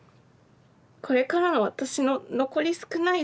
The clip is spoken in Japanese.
これからの私の残り少い